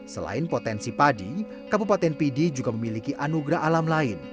selain potensi padi kabupaten pidi juga memiliki anugerah alam lain